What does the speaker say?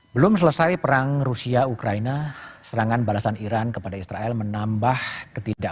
belum selesai perang rusia ukraina serangan balasan iran kepada israel menambah ketidak